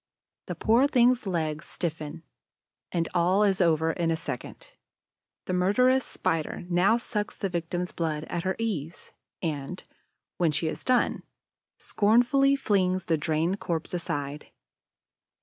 The poor thing's legs stiffen; and all is over in a second. The murderess Spider now sucks the victim's blood at her ease and, when she has done, scornfully flings the drained corpse aside.